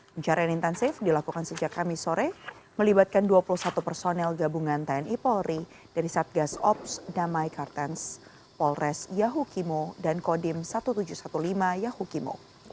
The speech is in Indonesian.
pencarian intensif dilakukan sejak kamis sore melibatkan dua puluh satu personel gabungan tni polri dari satgas ops damai kartens polres yahukimo dan kodim seribu tujuh ratus lima belas yahukimo